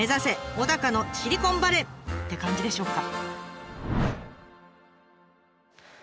小高のシリコンバレー！って感じでしょうか？